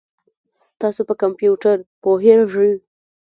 تاسو په کمپیوټر پوهیږئ؟